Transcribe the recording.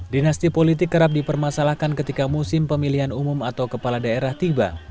dinasti politik kerap dipermasalahkan ketika musim pemilihan umum atau kepala daerah tiba